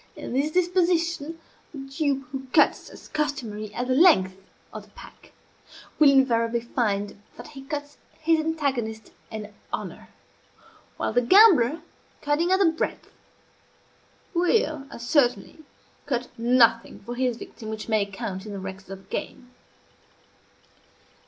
In this disposition, the dupe who cuts, as customary, at the length of the pack, will invariably find that he cuts his antagonist an honor; while the gambler, cutting at the breadth, will, as certainly, cut nothing for his victim which may count in the records of the game.